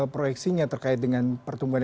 proyeksinya terkait dengan pertumbuhan